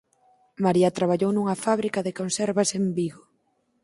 María traballou nunha fábrica de conservas en Vigo.